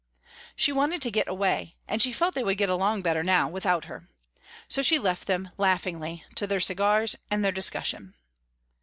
She wanted to get away, and she felt they would get along better now without her. So she left them, laughingly, to their cigars and their discussion.